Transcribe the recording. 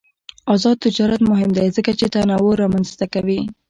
آزاد تجارت مهم دی ځکه چې تنوع رامنځته کوي.